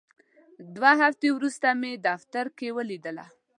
دوه هفتې وروسته مې دفتر کې ولیدله.